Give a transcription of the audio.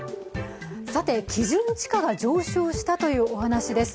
さて、基準地価が上昇したというお話です。